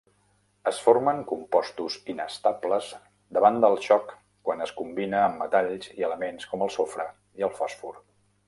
Es formen compostos inestables davant del xoc quan es combina amb metalls i elements com el sofre i el fòsfor.